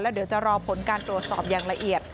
เดี๋ยวจะรอผลการตรวจสอบอย่างละเอียด